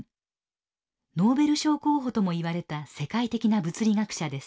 ノーベル賞候補ともいわれた世界的な物理学者です。